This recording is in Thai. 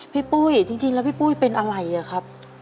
ปุ้ยจริงแล้วพี่ปุ้ยเป็นอะไรอะครับ